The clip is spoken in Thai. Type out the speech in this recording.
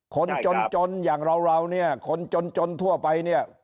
คนจนอย่างเราเนี่ยคนจนทั่วไปเนี่ย